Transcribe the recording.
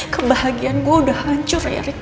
kebahagiaan gue udah hancur ya